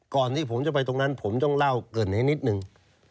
ก่อนที่ผมจะไปตรงนั้นผมต้องเล่าเกิดให้นิดนึง